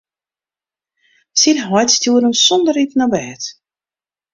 Syn heit stjoerde him sonder iten op bêd.